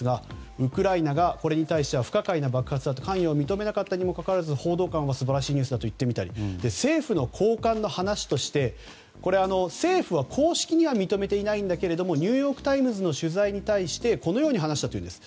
ウクライナがこれに対しては不可解な爆発について関与を認めなかったにもかかわらず報道官は素晴らしいニュースだと言ってみたり政府の高官の話として政府は公式には認めていないんだけれどもニューヨーク・タイムズの取材に対してこのように話したというんです。